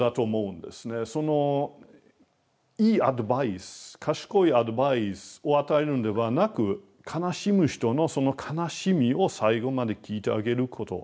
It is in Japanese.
そのいいアドバイス賢いアドバイスを与えるんではなく悲しむ人のその悲しみを最後まで聞いてあげることしかないんですね。